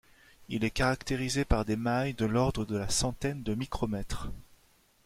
Il est caractérisé par des mailles de l'ordre de la centaine de micromètres.